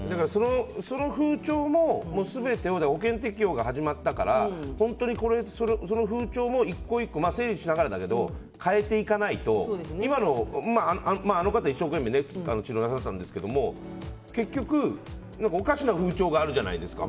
その風潮も、全てを保険適用が始まったから本当にその風潮も１個１個整理しながらだけど変えていかないと今の、あの方は一生懸命治療なさったんですけども結局、おかしな風潮があるじゃないですか。